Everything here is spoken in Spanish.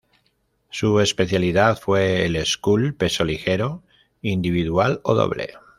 Su especialidad fue el scull peso ligero, individual o doble.